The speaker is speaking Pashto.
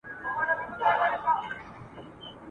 پر ټول ښار باندي تیاره د شپې خپره وه !.